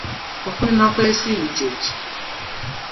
Okulima kw'ensimbi kye ki?